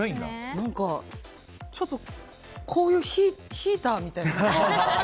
ちょっとこういうヒーターみたいな。